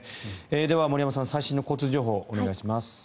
では、森山さん最新の交通情報をお願いします。